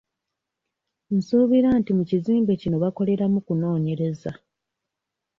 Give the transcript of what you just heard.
Nsuubira nti mu kizimbe kino bakoleramu kunoonyereza.